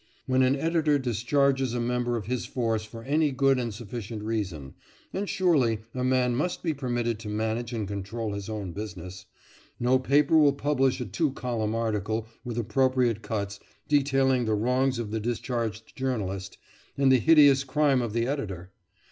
When an editor discharges a member of his force for any good and sufficient reason and surely a man must be permitted to manage and control his own business no paper will publish a two column article, with appropriate cuts, detailing the wrongs of the discharged journalist, and the hideous crime of the editor!